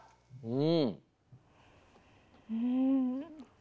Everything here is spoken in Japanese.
うん。